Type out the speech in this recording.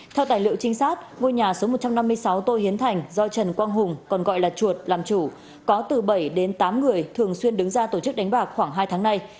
theo tài liệu trinh sát ngôi nhà số một trăm năm mươi sáu tô hiến thành do trần quang hùng còn gọi là chuột làm chủ có từ bảy đến tám người thường xuyên đứng ra tổ chức đánh bạc khoảng hai tháng nay